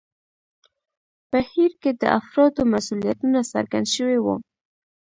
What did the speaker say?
په هیر کې د افرادو مسوولیتونه څرګند شوي وو.